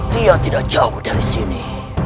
dia tidak jauh dari sini